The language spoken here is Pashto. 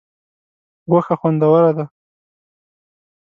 غوښه خوندوره ده.